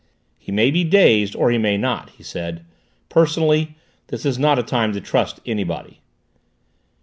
"He may be dazed, or he may not," he said. "Personally, this is not a time to trust anybody."